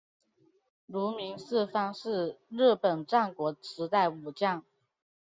芦名氏方是日本战国时代武将。